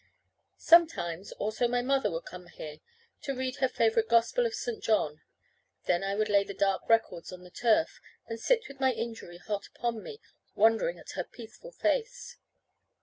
Sometimes also my mother would come here, to read her favourite Gospel of St. John. Then I would lay the dark records on the turf, and sit with my injury hot upon me, wondering at her peaceful face.